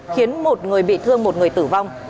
khiến một người bị thương một người tử vong